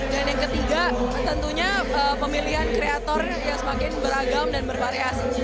dan yang ketiga tentunya pemilihan kreator yang semakin beragam dan bervariasi